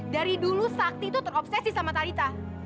dari dulu sakti itu terobsesi sama talitha